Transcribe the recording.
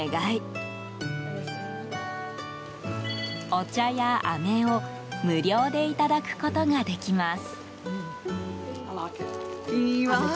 お茶やあめを無料でいただくことができます。